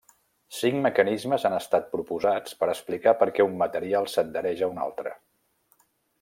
Cinc mecanismes han estat proposats per explicar perquè un material s'adhereix a un altre.